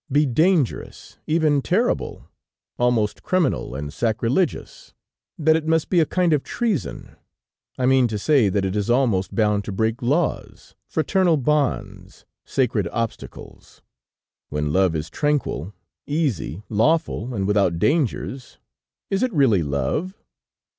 be dangerous, even terrible, almost criminal and sacrilegious; that it must be a kind of treason; I mean to say that it is almost bound to break laws, fraternal bonds, sacred obstacles; when love is tranquil, easy, lawful and without dangers, is it really love?'